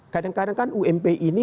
kadang kadang kan ump ini